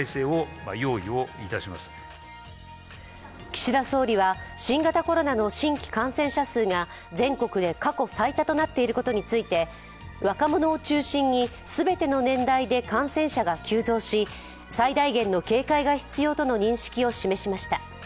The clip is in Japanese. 岸田総理は新型コロナの新規感染者数が全国で過去最多となっていることについて若者を中心に全ての年代で感染者が急増し最大限の警戒が必要との認識を示しました。